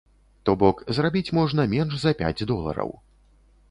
То бок зарабіць можна менш за пяць долараў.